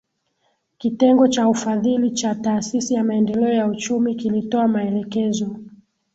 Kitengo cha ufadhili cha taasisi ya Maendeleo ya Uchumi kilitoa maelekezo